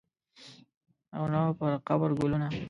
او نه پرقبر ګلونه